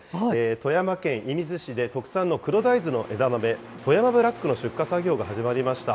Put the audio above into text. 富山県射水市で特産の黒大豆の枝豆、富山ブラックの出荷作業が始まりました。